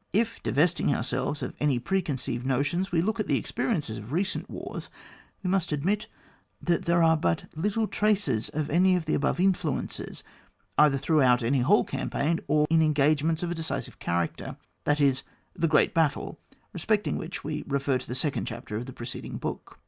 — ^If, divesting ourselves of any preconceived notions, we look at the ex periences of recent wars, we must admit that there are but little traces of any of the above influences, either throughout any whole campaign, or in engagements of a decisive character — that is, the great battle, respecting which term we refer to the second chapter of the preceding book.